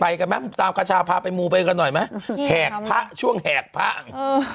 ไปกันมั้ยตามหาชาวพาไปมูกกันหน่อยมั้ยแหกพะช่วงแหกพ่ง